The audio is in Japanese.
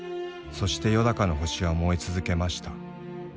「そしてよだかの星は燃えつゞけました。